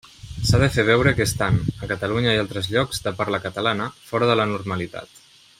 S'ha de fer veure que estan, a Catalunya i a altres llocs de parla catalana, fora de la normalitat.